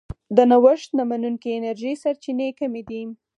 د نوښت نه منونکې انرژۍ سرچینې کمې دي.